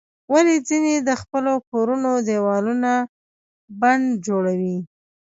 ولې ځینې د خپلو کورونو دیوالونه پنډ جوړوي؟